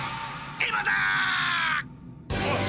今だ！